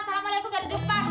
assalamualaikum dari depan